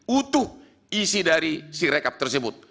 utuh isi dari si recaptor sibuk